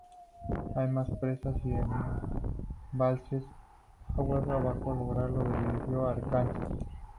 Hay más presas y embalses aguas abajo a lo largo del río Arkansas.